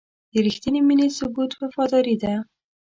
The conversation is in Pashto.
د رښتینې مینې ثبوت وفاداري ده.